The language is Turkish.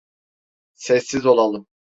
Sessiz olalım.